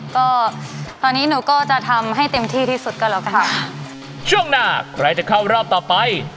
ก็ตอนนี้หนูก็จะทำให้เต็มที่ที่สุดก็แล้วกันค่ะช่วงหน้าใครจะเข้ารอบต่อไป